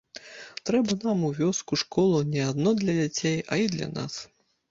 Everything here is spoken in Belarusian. Трэба нам у вёску школу не адно для дзяцей, а і для нас.